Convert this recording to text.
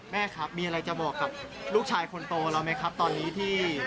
แม่ครับมีอะไรจะบอกกับลูกชายคนโตเราไหมครับตอนนี้ที่